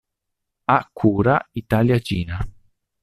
A cura, Italia-Cina.